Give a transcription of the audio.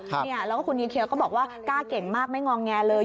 แล้วก็คุณเฮีเคียก็บอกว่ากล้าเก่งมากไม่งองแงเลย